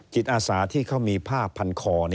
จิตอาสาที่เขามีผ้าพันคอ